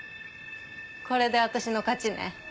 これで私の勝ちね。